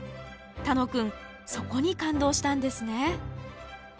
楽くんそこに感動したんですね。